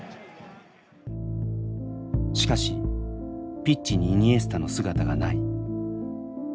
しかしピッチにイニエスタの姿がない。